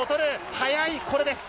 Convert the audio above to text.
速い、これです。